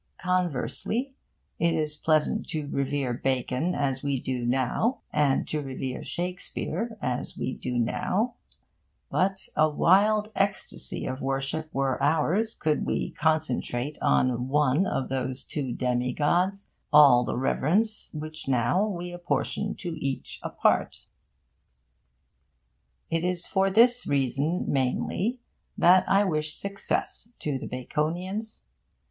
Conversely, it is pleasant to revere Bacon, as we do now, and to revere Shakespeare, as we do now; but a wildest ecstasy of worship were ours could we concentrate on one of those two demigods all that reverence which now we apportion to each apart. It is for this reason, mainly, that I wish success to the Baconians.